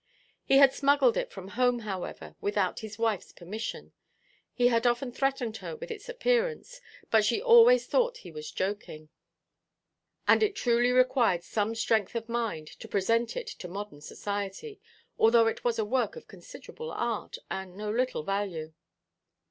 He had smuggled it from home, however, without his wifeʼs permission: he had often threatened her with its appearance, but she always thought he was joking. And truly it required some strength of mind to present it to modern society, although it was a work of considerable art, and no little value.